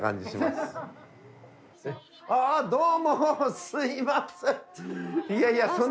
すいません。